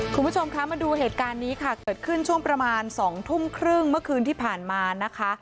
คุณผู้ชมคะมาดูเหตุการณ์นี้ค่ะเกิดขึ้นช่วงประมาณ๒ทุ่มครึ่งเมื่อคืนที่ผ่านมานะคะ